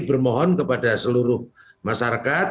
bermohon kepada seluruh masyarakat